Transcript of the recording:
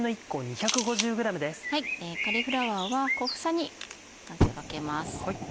カリフラワーは小房にまず分けます。